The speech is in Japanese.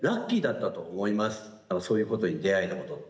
そういうことに出会えたことって。